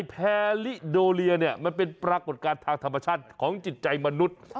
แพลิโดเลียเนี่ยมันเป็นปรากฏการณ์ทางธรรมชาติของจิตใจมนุษย์